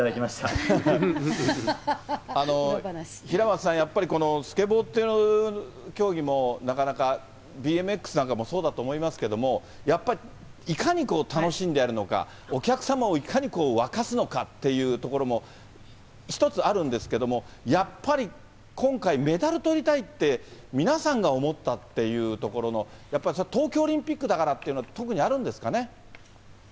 平松さん、やっぱりスケボーっていう競技も、なかなかＢＭＸなんかもそうだと思いますけども、やっぱりいかにこう、楽しんでやるのか、お客様をいかに沸かすのかっていうのも、一つあるんですけども、やっぱり今回、メダルとりたいって皆さんが思ったっていうところのやっぱり東京オリンピックだからっていうのは、特にあるんですかね。